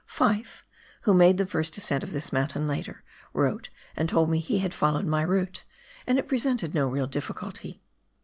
Fj^fe, who made the first ascent of this mountain later, wrote and told me he had followed my route, and it presented no real difiiculty.